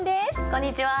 こんにちは。